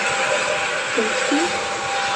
Пуштын?!